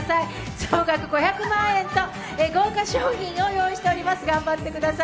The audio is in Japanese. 総額５００万円と豪華賞品を用意しております、頑張ってください。